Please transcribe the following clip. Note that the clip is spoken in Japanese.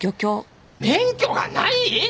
免許がない？